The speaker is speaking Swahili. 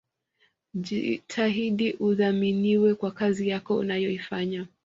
Jitahidi uthaminiwe kwa kazi yako unayoifanya